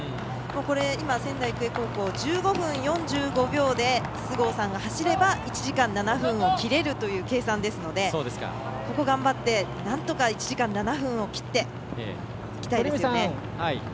今、仙台育英高校１５分４５秒で須郷さんが走れば１時間７分を切れるという計算ですので、ここ頑張ってなんとか１時間７分を切っていきたいですね。